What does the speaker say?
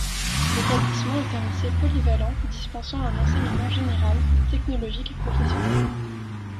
L'établissement est un lycée polyvalent dispensant un enseignement général, technologique et professionnel.